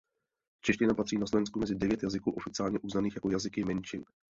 Čeština patří na Slovensku mezi devět jazyků oficiálně uznaných jako jazyky menšin.